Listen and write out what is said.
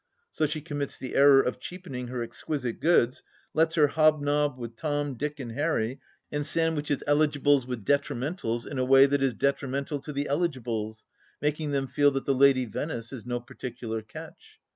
So she commits the error of cheapening her exquisite goods, lets her hob nob with Tom, Dick, and Harry, and sandwiches eligibles with detrimentals in a way that is detrimental to the eligibles, making them feel that the Lady Venice is no particular catch.